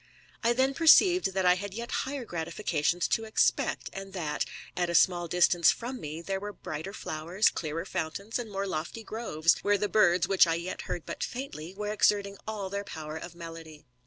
I then perceived that I had yet higher gratifications to expect, and that, at a small distance from me, there were brighter fiowers, clearer fountains, and more lofty groves, where the birds, which I yet heard but faintly, were exerting all the power of melody.